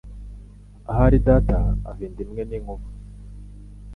Ahari data ava inda imwe n' inkuba